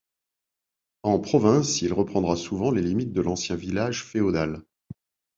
En province, il reprendra souvent les limites de l'ancien village féodal.